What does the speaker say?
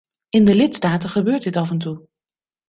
In de lidstaten gebeurt dit af en toe.